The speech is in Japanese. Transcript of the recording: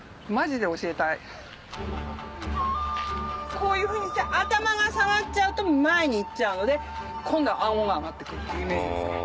こういうふうにして頭が下がっちゃうと前に行っちゃうので今度は顎が上がってくるっていうイメージですね。